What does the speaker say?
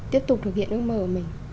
tiếp tục thực hiện ước mơ của mình